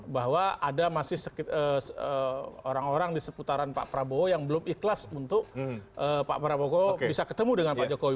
bahwa ada masih orang orang di seputaran pak prabowo yang belum ikhlas untuk pak prabowo bisa ketemu dengan pak jokowi